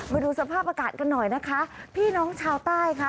มาดูสภาพอากาศกันหน่อยนะคะพี่น้องชาวใต้ค่ะ